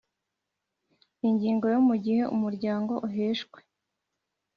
Ingingo yo mu gihe umuryango usheshwe